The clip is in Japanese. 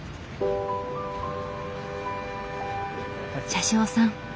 車掌さん